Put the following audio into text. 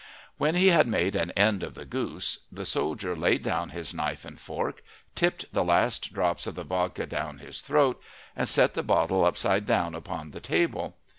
When he had made an end of the goose, the soldier laid down his knife and fork, tipped the last drops of the vodka down his throat, and set the bottle upside down upon the table.